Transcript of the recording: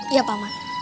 iya pak man